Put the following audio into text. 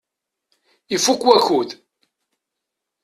Ifukk wakud.